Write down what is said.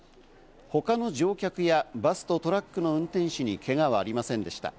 他の乗客やバスとトラックの運転手にけがはありませんでした。